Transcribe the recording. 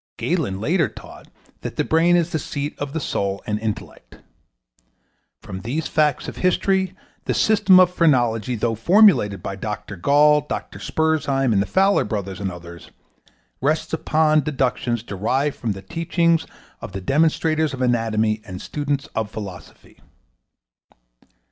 Galen later taught that the brain is the seat of the soul and intellect. From these facts of history the system of phrenology, though formulated by Dr. Gall, Dr. Spurzheim, the Fowler Brothers and others, rests upon deductions derived from the teachings of the demonstrators of anatomy and students of philosophy.